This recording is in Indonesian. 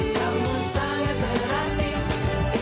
kamu sangat berhati